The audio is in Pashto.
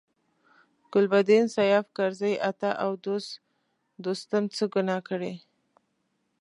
ګلبدین، سیاف، کرزي، عطا او دوستم څه ګناه کړې.